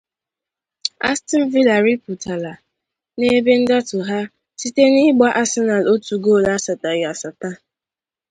Aston Villa riputala n’ebe ndatụ ha site na igba Arsenal otu goolu asataghị asata.